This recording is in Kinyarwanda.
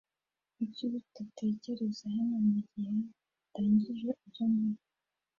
Kuki utategereza hano mugihe ndangije ibyo nkora?